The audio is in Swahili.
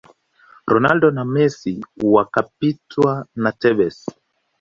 ronaldo na Messi wakapitwa na Tevez